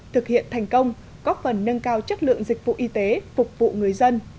thực hiện thành công góp phần nâng cao chất lượng dịch vụ y tế phục vụ người dân